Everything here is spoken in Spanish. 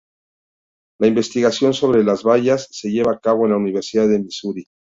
La investigación sobre las bayas se lleva a cabo en la Universidad de Misuri.